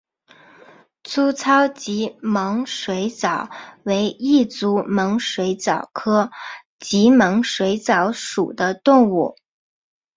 粗糙棘猛水蚤为异足猛水蚤科棘猛水蚤属的动物。